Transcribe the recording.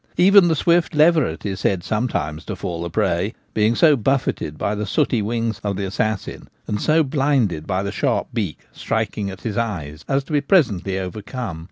Even the swift leveret is said sometimes to fall a prey, being so buffeted by the sooty wings of the assassin and so blinded by the sharp beak striking at his eyes as to be presently over come.